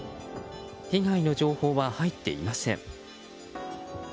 被害の情報は入っていません。